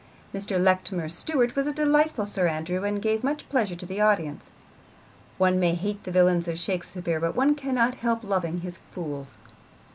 Mr. Letchmere Stuart was a delightful Sir Andrew, and gave much pleasure to the audience. One may hate the villains of Shakespeare, but one cannot help loving his fools.